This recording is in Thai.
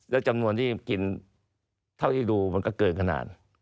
แล้วจำนวนที่กินเท่าที่ดูมันก็เกินขนาด